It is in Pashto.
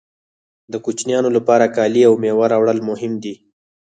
د کوچنیانو لپاره کالي او مېوه راوړل مهم دي